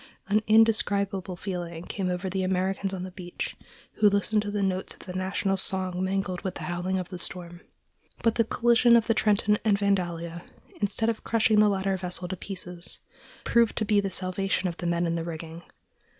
An indescribable feeling came over the Americans on the beach who listened to the notes of the national song mingled with the howling of the storm. But the collision of the Trenton and Vandalia, instead of crushing the latter vessel to pieces, proved to be the salvation of the men in the rigging.